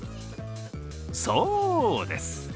そうです！